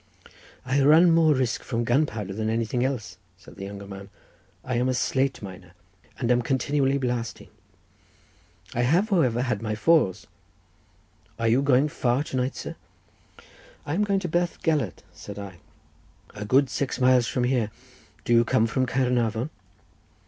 "I run more risk from gunpowder than anything else," said the younger man. "I am a slate miner, and am continually blasting. I have, however, had my falls. Are you going far to night, sir?" "I am going to Bethgelert," said I. "A good six miles, sir, from here. Do you come from Caernarvon?"